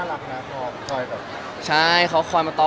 แล้วถ่ายละครมันก็๘๙เดือนอะไรอย่างนี้